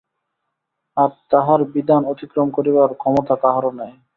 আর তাঁহার বিধান অতিক্রম করিবার ক্ষমতা কাহারও নাই।